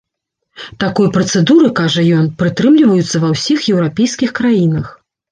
Такой працэдуры, кажа ён, прытрымліваюцца ва ўсіх еўрапейскіх краінах.